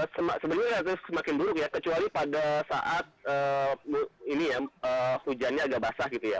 sebenarnya semakin buruk ya kecuali pada saat ini ya hujannya agak basah gitu ya